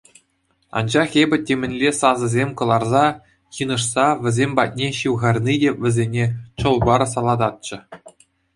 Анчах эпӗ темӗнле сасӑсем кӑларса йынӑшса вӗсем патне ҫывхарни те вӗсене чӑл-пар салататчӗ.